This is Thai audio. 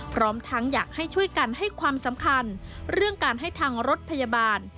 พร้อมทั้งอยากให้ช่วยกันให้ความสำคัญเรื่องการให้ทางรถพยาบาล